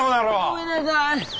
ごめんなさい。